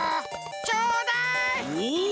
ちょうだい！おい。